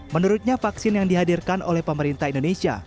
menurutnya vaksin yang dihadirkan oleh pemerintah indonesia